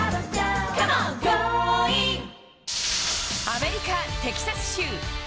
アメリカ・テキサス州。